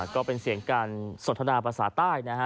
ก็เป็นเสียงการสนทนาภาษาใต้นะฮะ